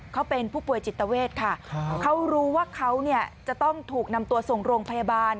เขาเป็นผู้ป่วยจิตเวทค่ะเขารู้ว่าเขาเนี่ยจะต้องถูกนำตัวส่งโรงพยาบาล